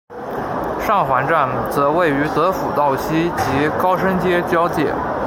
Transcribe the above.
上环站则位于德辅道西及高升街交界。